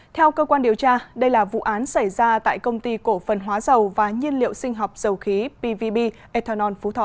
theo cơ quan điều tra đây là vụ án xảy ra tại công ty cổ phần hóa dầu và nhiên liệu sinh học dầu khí pvb ethanol phú thọ